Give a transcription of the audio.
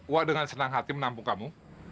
wah dengan senang hati menampung kamu